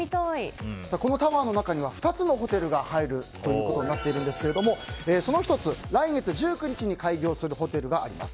このタワーの中には２つのホテルが入ることになっているんですがその１つ、来月１９日に開業するホテルがあります。